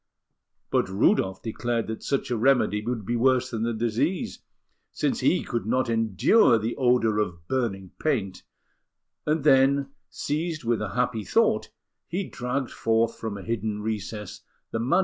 But Rudolf declared that such a remedy would be worse than the disease, since he could not endure the odour of burning paint; and then, seized with a happy thought, he dragged forth from a hidden recess the MS.